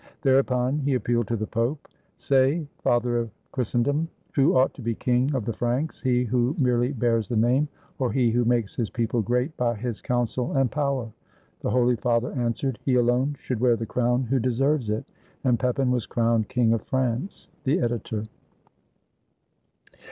Thereupon he appealed to the Pope: "Say, father of Christendom, who ought to be king of the Franks, he who merely bears the name, or he who makes his people great by his counsel and power?" The Holy Father answered: "He alone should wear the crown who deserves it." And Pepin was crowned king of France. The Editor.